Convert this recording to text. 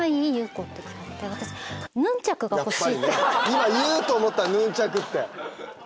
今言うと思った「ヌンチャク」って。